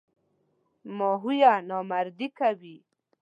ماهویه نامردي کوي.